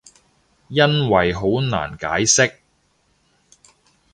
因為好難解釋